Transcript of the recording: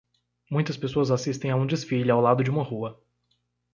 Muitas pessoas assistem a um desfile ao lado de uma rua.